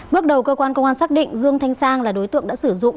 bước đầu cơ quan công an xác định dương thanh sang là đối tượng đã sử dụng